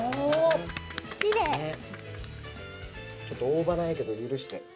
ちょっと大葉ないけど許して。